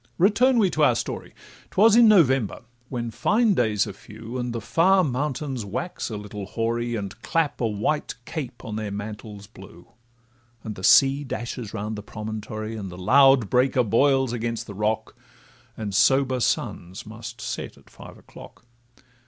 —Return we to our story: 'Twas in November, when fine days are few, And the far mountains wax a little hoary, And clap a white cape on their mantles blue; And the sea dashes round the promontory, And the loud breaker boils against the rock, And sober suns must set at five o'clock.